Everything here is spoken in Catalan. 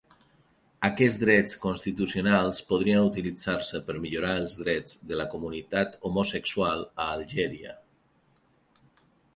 Aquests drets constitucionals podrien utilitzar-se per millorar els drets de la comunitat homosexual a Algèria.